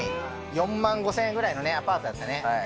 ４万５０００円ぐらいのアパートだったね。